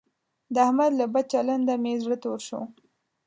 د احمد له بد چلنده مې زړه تور شو.